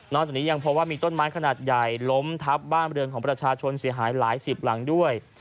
จากนี้ยังพบว่ามีต้นไม้ขนาดใหญ่ล้มทับบ้านบริเวณของประชาชนเสียหายหลายสิบหลังด้วย